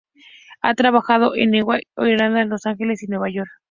Ha trabajado en New Orleans, Los Ángeles y Nueva York.